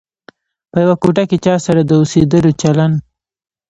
په یوه کوټه کې چا سره د اوسېدلو چلند.